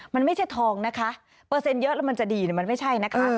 มันไม่ใช่ทองนะคะเปอร์เซ็นต์เยอะแล้วมันจะดีมันไม่ใช่นะคะ